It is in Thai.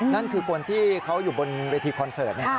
นั่นคือคนที่เขาอยู่บนเวทีคอนเสิร์ต